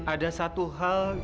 ada satu hal